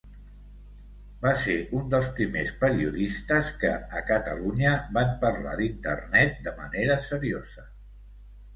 Va ser un dels primers periodistes que, a Catalunya, van parlar d'internet de manera seriosa.